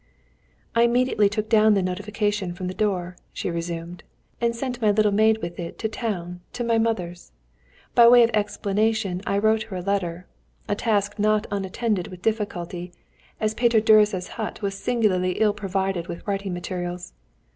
"I immediately took down the notification from the door," she resumed, "and sent my little maid with it to town to my mother's. By way of explanation I wrote her a letter, a task not unattended with difficulty, as Peter Gyuricza's hut was singularly ill provided with writing materials.